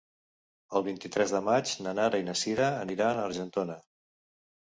El vint-i-tres de maig na Nara i na Sira aniran a Argentona.